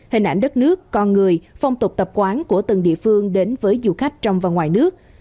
hình ảnh đất nước con người phong tục tập quán của từng địa phương đến với du khách trong và ngoài nước